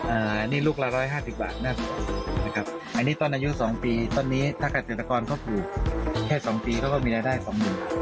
อันนี้ลูกละ๑๕๐บาทนะครับอันนี้ต้นอายุ๒ปีต้นนี้ถ้าเกษตรกรเขาอยู่แค่๒ปีเขาก็มีรายได้๒หมื่น